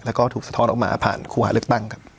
แล้วก็ถูกสะท้อนออกมาผ่านคู่หาเลือกตั้งครับ